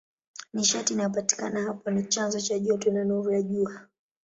Nishati inayopatikana hapo ni chanzo cha joto na nuru ya Jua.